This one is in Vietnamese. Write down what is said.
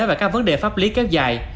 và các vấn đề pháp lý kéo dài